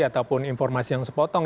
ataupun informasi yang sepotong